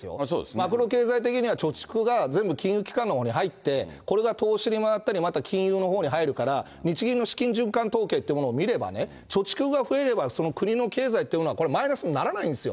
マクロ経済的には貯蓄が全部金融機関のほうに入って、これが投資に回ったりまた金融のほうに入るから、日銀の資金循環統計というものを見れば、貯蓄が増えればその国の経済っていうものはこれはマイナスにならないんですよ。